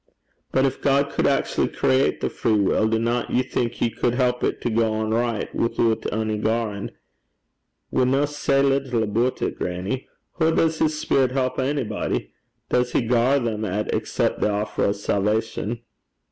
'But gin God could actually create the free wull, dinna ye think he cud help it to gang richt, withoot ony garrin'? We ken sae little aboot it, grannie! Hoo does his speerit help onybody? Does he gar them 'at accep's the offer o' salvation?'